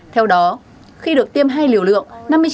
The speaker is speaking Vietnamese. theo đó khi được tiêm hai liều lượng